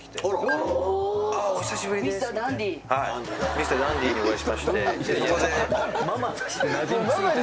ミスターダンディーにお会いしまして。